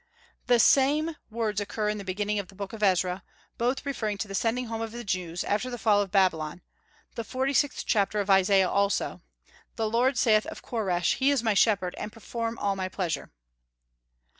The same words occur in the beginning of the Book of Ezra, both referring to the sending home of the Jews after the fall of Babylon; the forty sixth chapter of Isaiah also: "The Lord saith of Koresh, He is my shepherd, and shall perform all my pleasure."